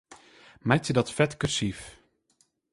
Meitsje dat fet kursyf.